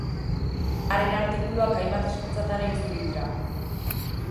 Haren artikuluak hainbat hizkuntzatara itzuli dira.